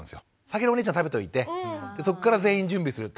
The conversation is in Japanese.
先にお姉ちゃん食べといてそこから全員準備する。